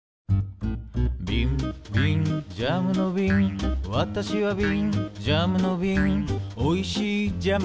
「びんびんジャムのびんわたしはびん」「ジャムのびんおいしいジャムをいれていた」